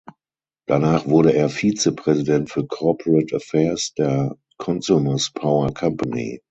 Danach wurde er Vizepräsident für Corporate Affairs der Consumers Power Company.